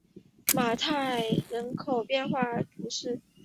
马泰人口变化图示